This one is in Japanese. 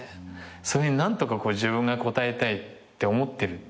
それに何とか自分が応えたいって思ってるだけ。